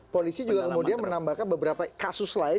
polisi juga kemudian menambahkan beberapa kasus lain